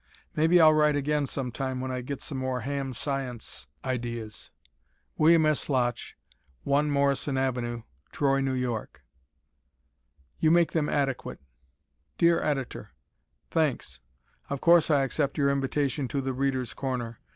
Maybe I'll write again sometime when I get some more "ham science" ideas. William S. Lotsch, 1 Morrison Ave., Troy, N. Y. You Make Them Adequate Dear Editor: Thanks. Of course I accept your invitation to "The Readers' Corner."